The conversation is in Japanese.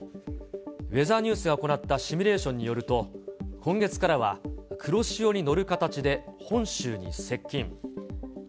ウェザーニュースが行ったシミュレーションによりますと、今月からは黒潮に乗る形で、本州に接近。